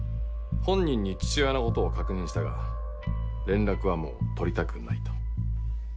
本人に父親のことを確認したが連絡はもう取りたくないと。